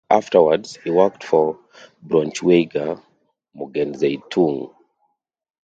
Afterwards, he worked for the "Braunschweiger Morgenzeitung".